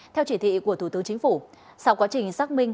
theo chỉ thị của thủ tướng chính phủ sau quá trình xác minh